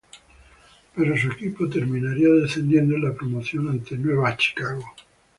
Pero su equipo terminaría descendiendo en la promoción ante Nueva Chicago.